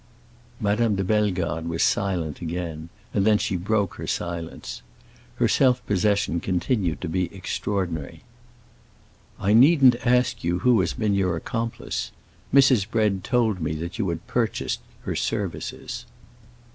Madame de Bellegarde was silent again, and then she broke her silence. Her self possession continued to be extraordinary. "I needn't ask you who has been your accomplice. Mrs. Bread told me that you had purchased her services."